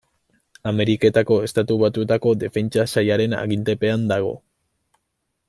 Ameriketako Estatu Batuetako Defentsa Sailaren agintepean dago.